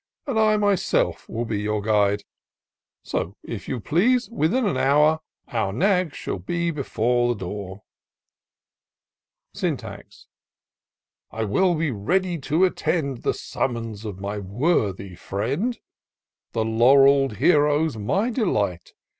And I myself will be your guide : So, if you please, within an hour Our nags shall be before the door." Syntax. " I will be ready to attend The summons of my worthy friend. The laurell'd hero's my delight.